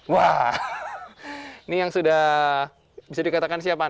wah ini yang sudah bisa dikatakan siapaan